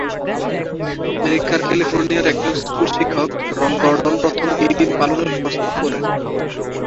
আমেরিকার ক্যালিফোর্নিয়ার একজন স্কুল শিক্ষক, রন গর্ডন প্রথম এই দিন পালনের প্রস্তাব করেন।